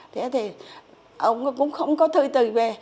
thế thì ông cũng không có thư từ về